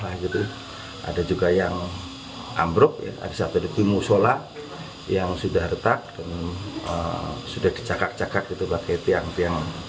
ada juga yang amruk ada satu di timusola yang sudah retak dan sudah dicakak cakak pakai tiang tiang